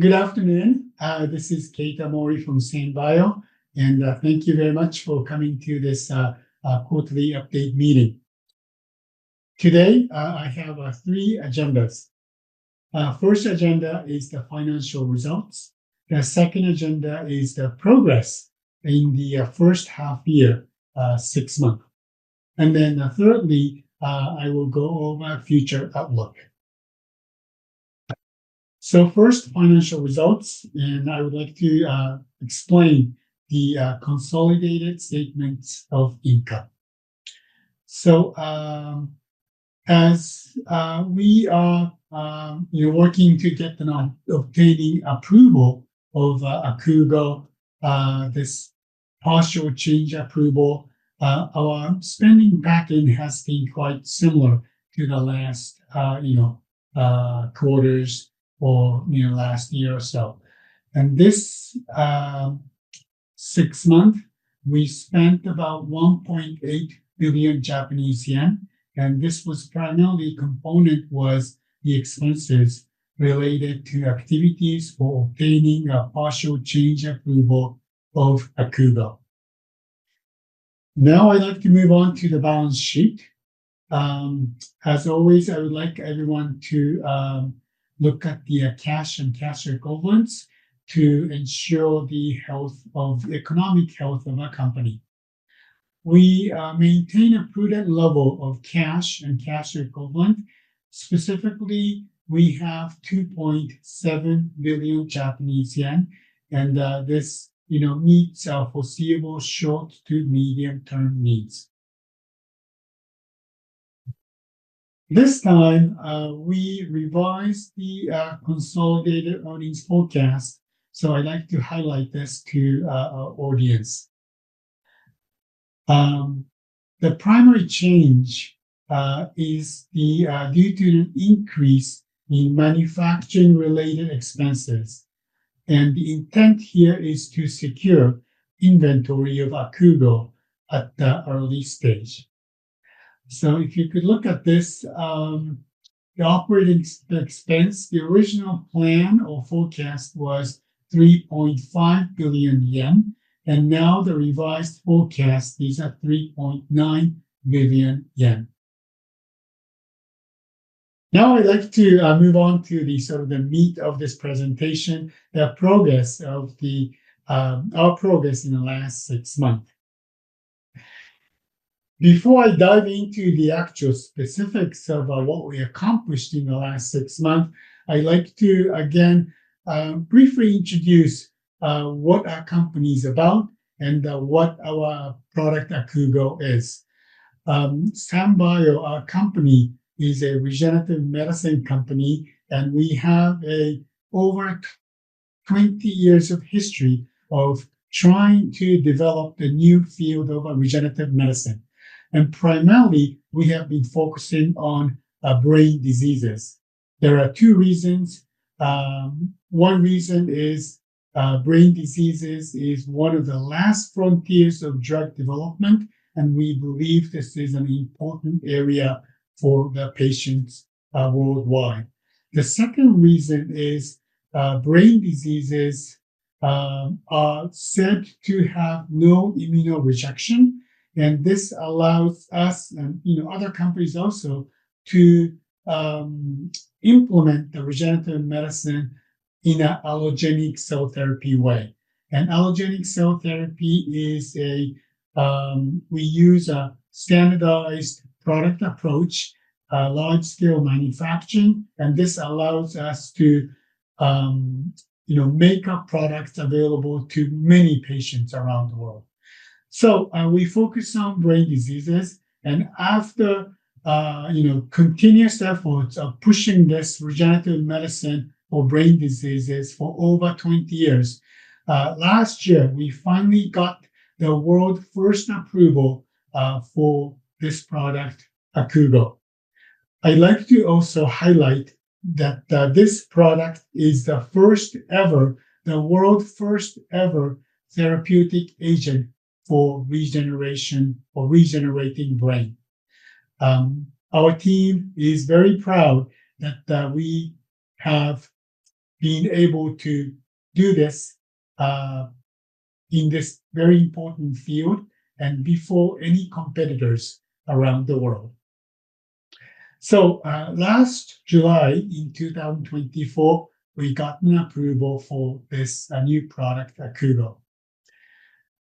Good afternoon. This is Keita Mori from SanBio, and thank you very much for coming to this quarterly update meeting. Today, I have three agendas. The first agenda is the financial results. The second agenda is the progress in the first half year, six months. Thirdly, I will go over future outlook. First, financial results, and I would like to explain the consolidated statements of income. As we are working to get the notes of payee approval of AKUUGO, this partial change approval, our spending backend has been quite similar to the last quarters or last year or so. This six months, we spent about 1.8 billion Japanese yen, and this was primarily a component of the expenses related to activities for obtaining a partial change approval of AKUUGO. Now, I'd like to move on to the balance sheet. As always, I would like everyone to look at the cash and cash recoverance to ensure the health of the economic health of our company. We maintain a prudent level of cash and cash recoverance. Specifically, we have 2.7 billion Japanese yen, and this meets our foreseeable short to medium-term needs. This time, we revised the consolidated earnings forecast, so I'd like to highlight this to our audience. The primary change is due to an increase in manufacturing-related expenses, and the intent here is to secure inventory of AKUUGO at the early stage. If you could look at this, the operating expense, the original plan or forecast was 3.5 billion yen, and now the revised forecast is at 3.9 billion yen. Now, I'd like to move on to the sort of the meat of this presentation, the progress of our progress in the last six months. Before I dive into the actual specifics of what we accomplished in the last six months, I'd like to, again, briefly introduce what our company is about and what our product, AKUUGO, is. SanBio, our company, is a regenerative medicine company, and we have over 20 years of history of trying to develop the new field of regenerative medicine. Primarily, we have been focusing on brain diseases. There are two reasons. One reason is brain diseases are one of the last frontiers of drug development, and we believe this is an important area for the patients worldwide. The second reason is brain diseases are said to have no immunorejection, and this allows us and other companies also to implement the regenerative medicine in an allogeneic cell therapy way. Allogeneic cell therapy is a, we use a standardized product approach, large-scale manufacturing, and this allows us to, you know, make our products available to many patients around the world. We focus on brain diseases, and after, you know, continuous efforts of pushing this regenerative medicine for brain diseases for over 20 years, last year, we finally got the world's first approval for this product, AKUUGO. I'd like to also highlight that this product is the first ever, the world's first ever therapeutic agent for regeneration or regenerating brain. Our team is very proud that we have been able to do this in this very important field and before any competitors around the world. Last July in 2024, we got an approval for this new product, AKUUGO.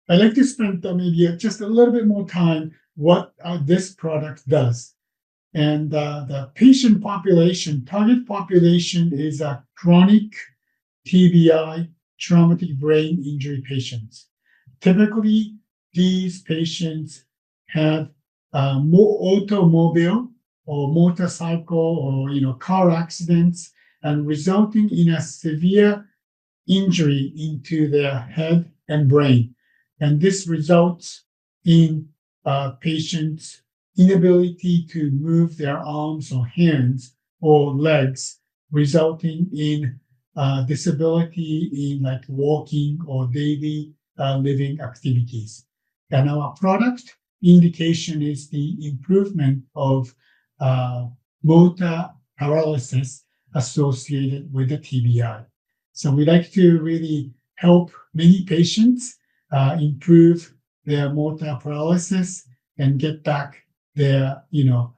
I'd like to spend, maybe, just a little bit more time on what this product does. The patient population, target population is chronic TBI, traumatic brain injury patients. Typically, these patients have more automobile or motorcycle or, you know, car accidents resulting in a severe injury to their head and brain. This results in patients' inability to move their arms or hands or legs, resulting in disability in, like, walking or daily living activities. Our product indication is the improvement of motor paralysis associated with the TBI. We'd like to really help many patients improve their motor paralysis and get back their, you know,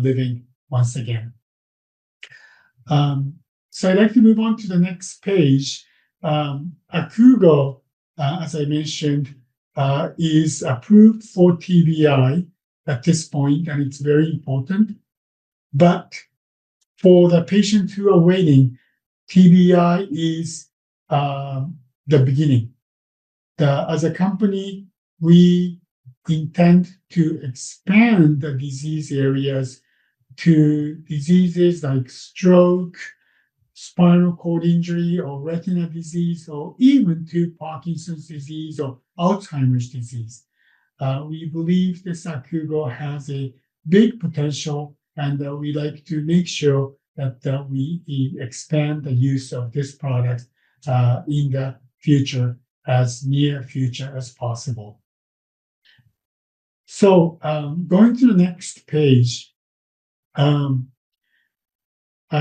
living once again. I'd like to move on to the next page. AKUUGO, as I mentioned, is approved for TBI at this point, and it's very important. For the patients who are waiting, TBI is the beginning. As a company, we intend to expand the disease areas to diseases like stroke, spinal cord injury, or retinal disease, or even to Parkinson's disease or Alzheimer's disease. We believe this AKUUGO has a big potential, and we'd like to make sure that we expand the use of this product in the future, as near future as possible. Going to the next page, I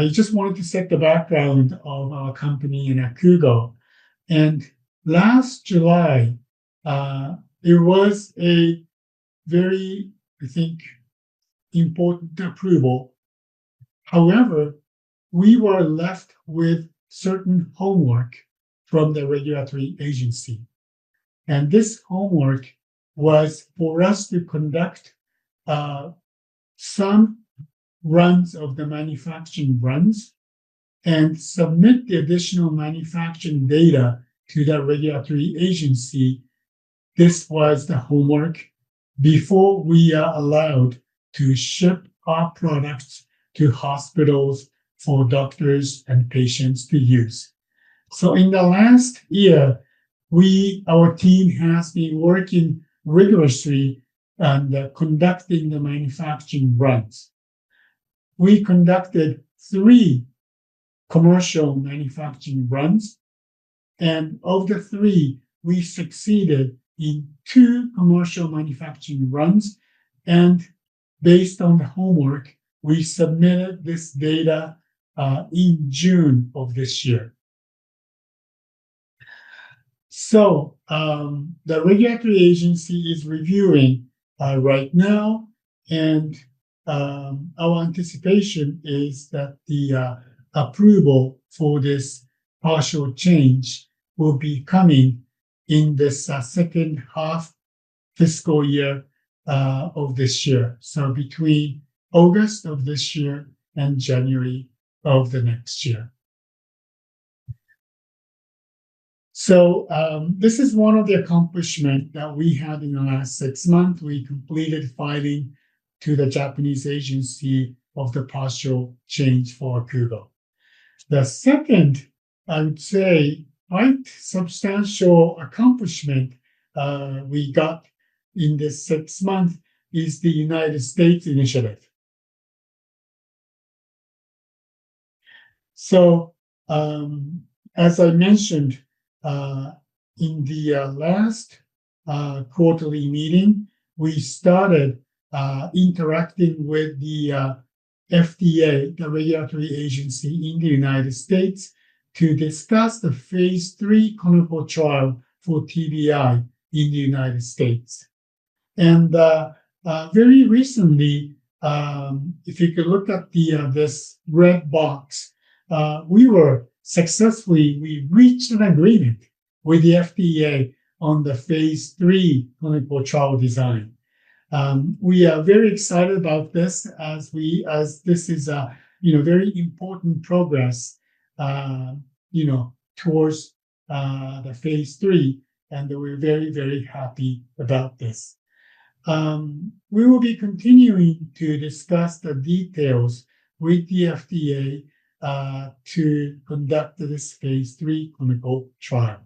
just wanted to set the background of our company and AKUUGO. Last July, it was a very, I think, important approval. However, we were left with certain homework from the regulatory agency. This homework was for us to conduct some runs of the manufacturing runs and submit the additional manufacturing data to the regulatory agency. This was the homework before we are allowed to ship our products to hospitals for doctors and patients to use. In the last year, our team has been working rigorously on conducting the manufacturing runs. We conducted three commercial manufacturing runs, and of the three, we succeeded in two commercial manufacturing runs. Based on the homework, we submitted this data in June of this year. The regulatory agency is reviewing right now, and our anticipation is that the approval for this partial change will be coming in the second half fiscal year of this year, between August of this year and January of the next year. This is one of the accomplishments that we had in the last six months. We completed filing to the Japanese agency of the partial change for AKUUGO. The second, I would say, quite substantial accomplishment we got in this six months is the United States initiative. As I mentioned in the last quarterly meeting, we started interacting with the FDA, the regulatory agency in the United States, to discuss the phase III clinical trial for TBI in the United States. Very recently, if you could look at this red box, we were successfully, we reached an agreement with the FDA on the phase III clinical trial design. We are very excited about this as this is a very important progress towards the phase III, and we're very, very happy about this. We will be continuing to discuss the details with the FDA to conduct this phase III clinical trial.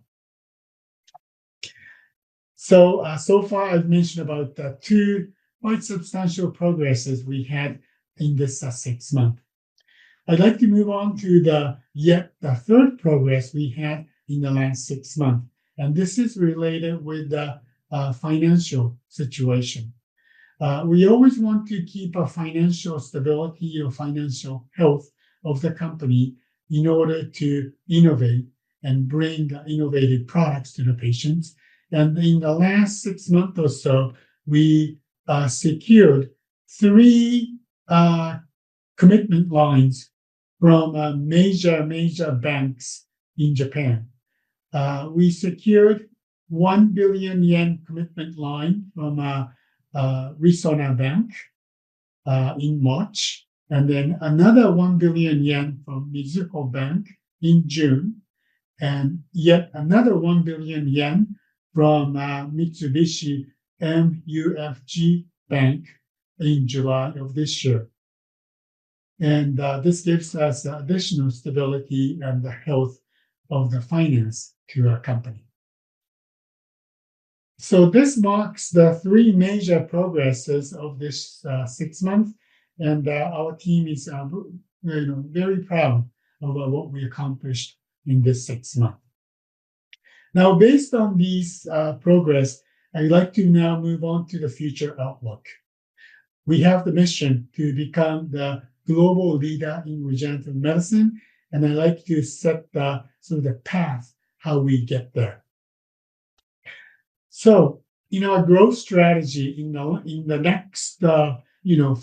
So far, I've mentioned about the two quite substantial progresses we had in this six months. I'd like to move on to the third progress we had in the last six months, and this is related with the financial situation. We always want to keep our financial stability or financial health of the company in order to innovate and bring innovative products to the patients. In the last six months or so, we secured three commitment lines from major banks in Japan. We secured 1 billion yen commitment line from Resona Bank in March, and then another 1 billion yen from Mizuho Bank in June, and yet another 1 billion yen from Mitsubishi, MUFG Bank in July of this year. This gives us additional stability and the health of the finance to our company. This marks the three major progresses of this six months, and our team is very proud of what we accomplished in this six months. Now, based on these progress, I'd like to now move on to the future outlook. We have the mission to become the global leader in regenerative medicine, and I'd like to set the sort of the path how we get there. In our growth strategy in the next, you know,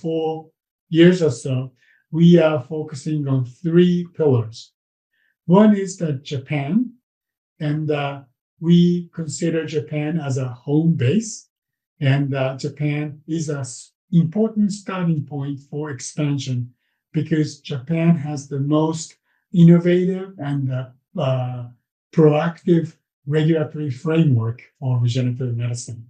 four years or so, we are focusing on three pillars. One is Japan, and we consider Japan as a home base. Japan is an important starting point for expansion because Japan has the most innovative and proactive regulatory framework on regenerative medicine.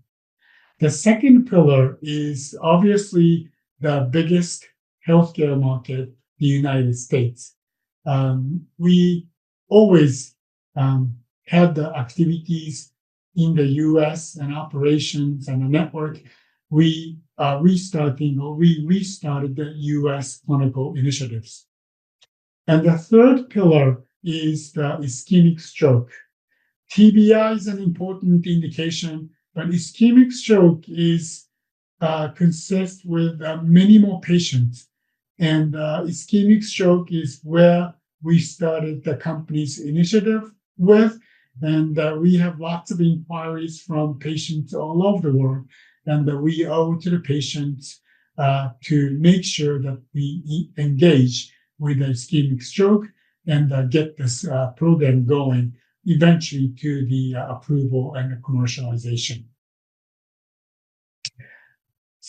The second pillar is obviously the biggest healthcare market, the United States. We always had the activities in the U.S. and operations and the network. We restarted the U.S. clinical initiatives. The third pillar is the ischemic stroke. TBI is an important indication, but ischemic stroke consists of many more patients. Ischemic stroke is where we started the company's initiative with, and we have lots of inquiries from patients all over the world. We owe it to the patients to make sure that we engage with the ischemic stroke and get this program going eventually to the approval and the commercialization.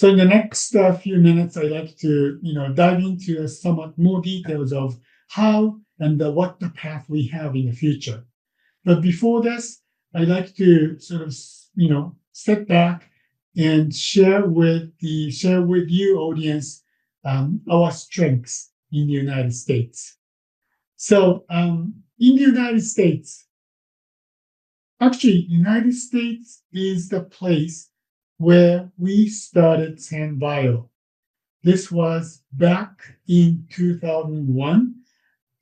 In the next few minutes, I'd like to, you know, dive into some more details of how and what the path we have in the future. Before this, I'd like to sort of, you know, sit back and share with you, audience, our strengths in the United States. In the United States, actually, the United States is the place where we started SanBio. This was back in 2001,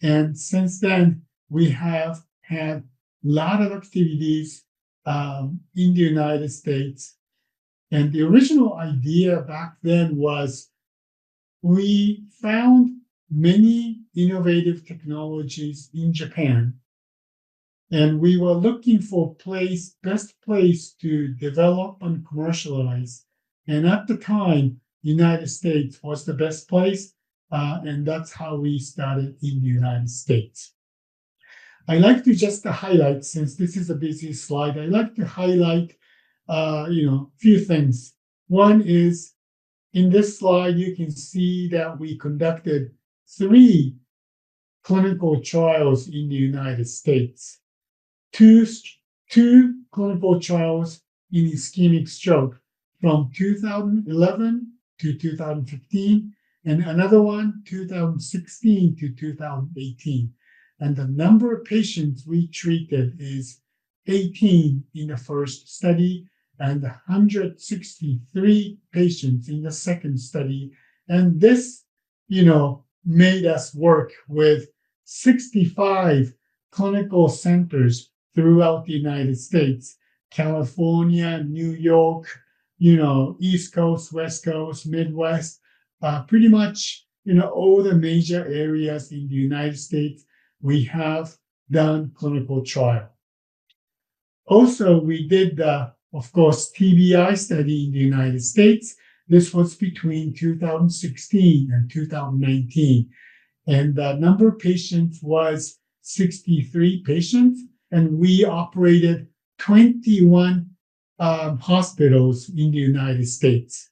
and since then, we have had a lot of activities in the United States. The original idea back then was we found many innovative technologies in Japan, and we were looking for a place, best place to develop and commercialize. At the time, the United States was the best place, and that's how we started in the United States. I'd like to just highlight, since this is a busy slide, I'd like to highlight, you know, a few things. One is, in this slide, you can see that we conducted three clinical trials in the United States. Two clinical trials in ischemic stroke from 2011-2015, and another one from 2016-2018. The number of patients we treated is 18 in the first study and 163 patients in the second study. This, you know, made us work with 65 clinical centers throughout the United States, California, New York, you know, East Coast, West Coast, Midwest. Pretty much, you know, all the major areas in the United States, we have done clinical trials. Also, we did the, of course, TBI study in the United States. This was between 2016 and 2019. The number of patients was 63 patients, and we operated 21 hospitals in the United States.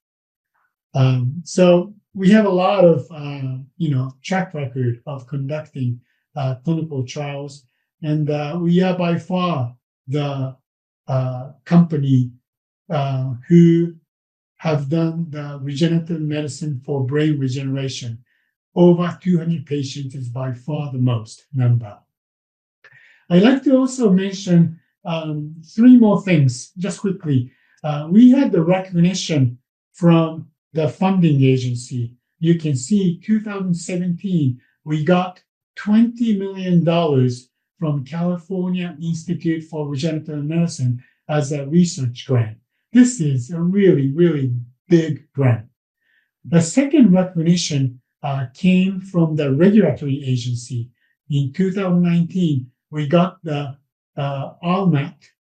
We have a lot of track record of conducting clinical trials, and we are by far the company who has done the regenerative medicine for brain regeneration. Over 200 patients is by far the most number. I'd like to also mention three more things just quickly. We had the recognition from the funding agency. You can see in 2017, we got $20 million from California Institute for Regenerative Medicine as a research grant. This is a really, really big grant. The second recognition came from the regulatory agency. In 2019, we got the RMAT,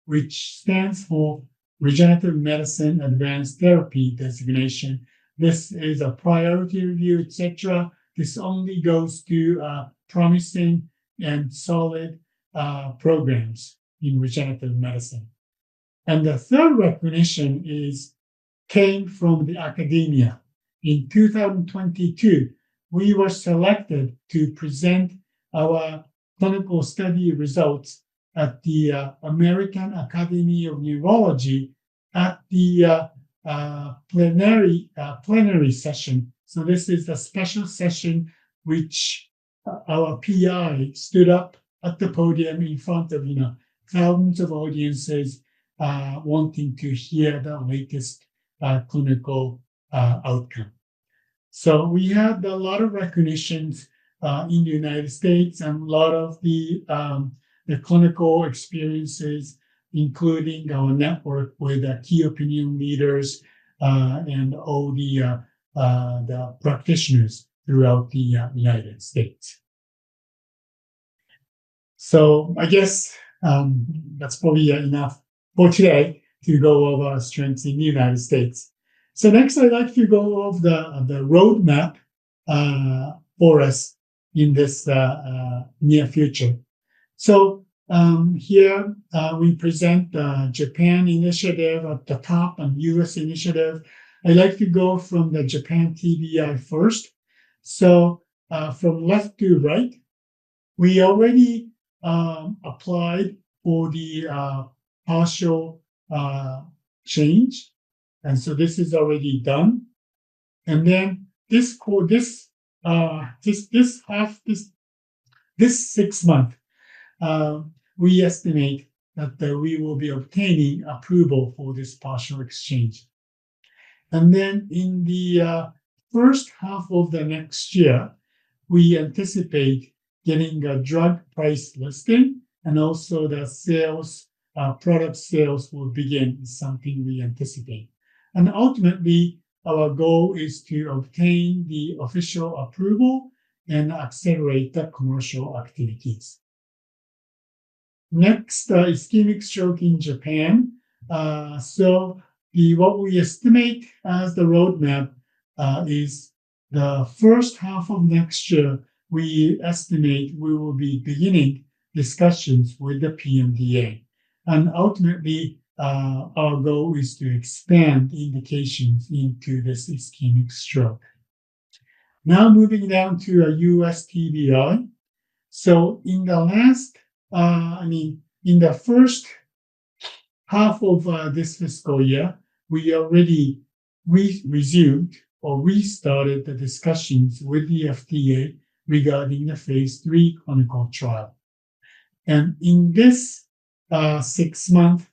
which stands for Regenerative Medicine Advanced Therapy designation. This is a priority review, etc. This only goes to promising and solid programs in regenerative medicine. The third recognition came from the academia. In 2022, we were selected to present our clinical study results at the American Academy of Neurology at the plenary session. This is a special session in which our PI stood up at the podium in front of thousands of audiences wanting to hear the latest clinical outcome. We have a lot of recognitions in the United States and a lot of the clinical experiences, including our network with the key opinion leaders and all the practitioners throughout the United States. I guess that's probably enough for today to go over our strengths in the United States. Next, I'd like to go over the roadmap for us in this near future. Here we present the Japan initiative at the top and the U.S. initiative. I'd like to go from the Japan TBI first. From left to right, we already applied for the partial change, and this is already done. This half, this six month, we estimate that we will be obtaining approval for this partial exchange. In the first half of the next year, we anticipate getting a drug price listing and also the sales, product sales will begin. It's something we anticipate. Ultimately, our goal is to obtain the official approval and accelerate the commercial activities. Next, the ischemic stroke in Japan. What we estimate as the roadmap is the first half of next year, we estimate we will be beginning discussions with the PMDA. Ultimately, our goal is to expand indications into this ischemic stroke. Now, moving down to a U.S. TBI. In the first half of this fiscal year, we already resumed or restarted the discussions with the FDA regarding the phase III clinical trial. In this six months,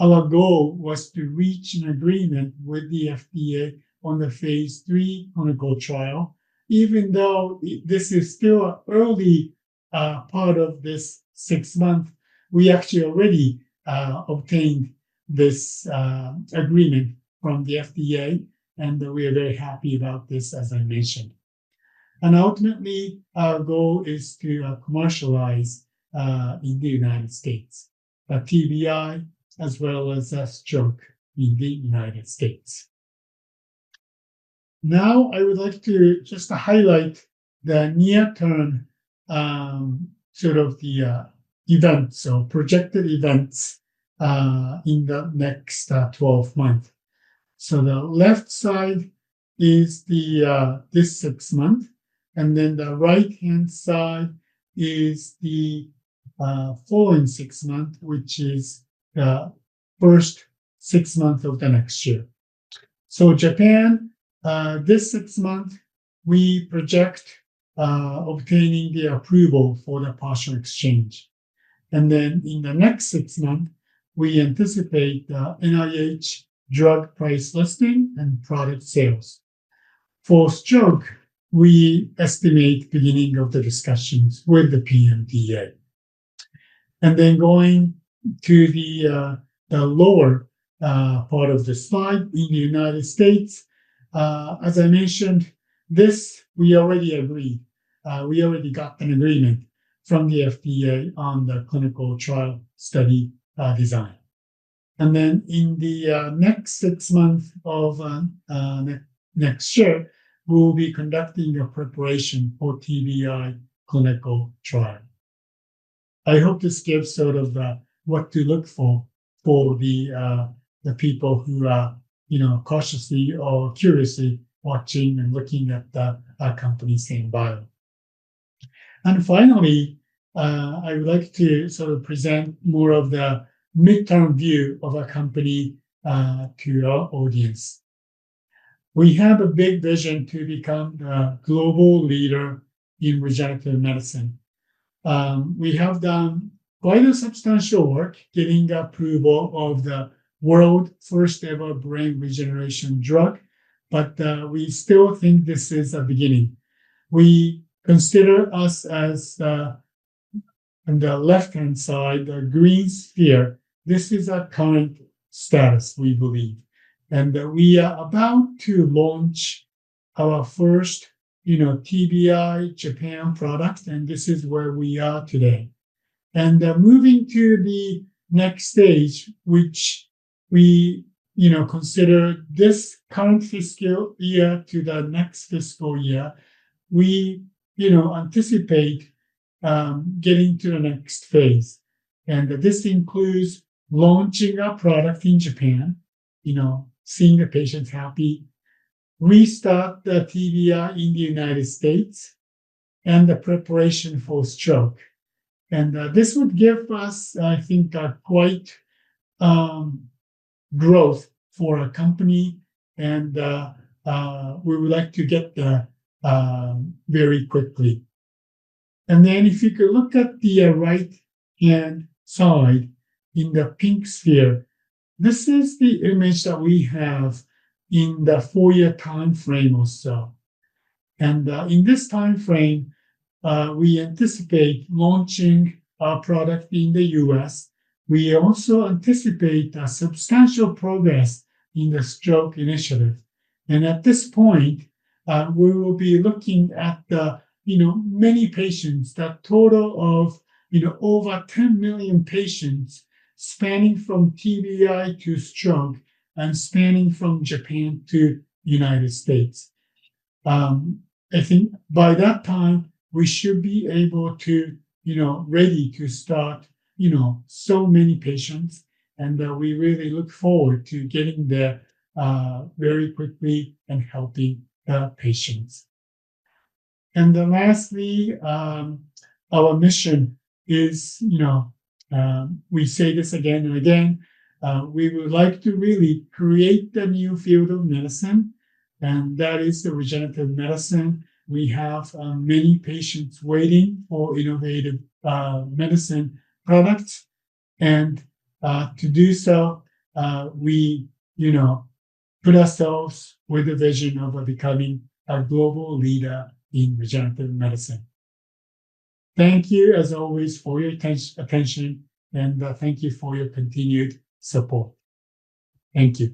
our goal was to reach an agreement with the FDA on the phase III clinical trial. Even though this is still an early part of this six months, we actually already obtained this agreement from the FDA, and we are very happy about this, as I mentioned. Ultimately, our goal is to commercialize in the United States, a TBI as well as a stroke in the United States. I would like to just highlight the near-term sort of the events, projected events in the next 12 months. The left side is this six months, and then the right-hand side is the following six months, which is the first six months of the next year. In Japan, this six months, we project obtaining the approval for the partial change. In the next six months, we anticipate the NIH drug price listing and product sales. For stroke, we estimate the beginning of the discussions with the PMDA. Going to the lower part of the slide in the United States, as I mentioned, we already got an agreement from the FDA on the clinical trial study design. In the next six months of next year, we'll be conducting a preparation for TBI clinical trial. I hope this gives sort of what to look for for the people who are cautiously or curiously watching and looking at our company, SanBio. Finally, I would like to sort of present more of the midterm view of our company to our audience. We have a big vision to become the global leader in regenerative medicine. We have done quite a substantial work getting approval of the world's first ever brain regeneration drug, but we still think this is the beginning. We consider us as the, on the left-hand side, the green sphere. This is our current status, we believe. We are about to launch our first TBI Japan product, and this is where we are today. Moving to the next stage, which we consider this current fiscal year to the next fiscal year, we anticipate getting to the next phase. This includes launching our product in Japan, seeing the patients happy, restart the TBI in the United States, and the preparation for stroke. This would give us, I think, quite growth for our company, and we would like to get there very quickly. If you could look at the right-hand side in the pink sphere, this is the image that we have in the four-year timeframe or so. In this timeframe, we anticipate launching our product in the U.S. We also anticipate substantial progress in the stroke initiative. At this point, we will be looking at many patients, the total of over 10 million patients spanning from TBI to stroke and spanning from Japan to the United States. I think by that time, we should be able to be ready to start so many patients. We really look forward to getting there very quickly and helping patients. Lastly, our mission is, we say this again and again, we would like to really create the new field of medicine, and that is regenerative medicine. We have many patients waiting for innovative medicine products. To do so, we put ourselves with the vision of becoming a global leader in regenerative medicine. Thank you, as always, for your attention, and thank you for your continued support. Thank you.